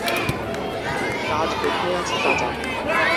কাজ কোথায় আছে তা জানি।